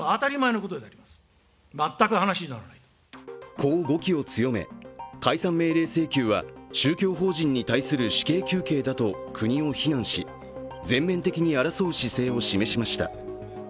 こう語気を強め、解散命令請求は宗教法人に対する死刑求刑だと国を非難し、全面的に争う姿勢を示しました。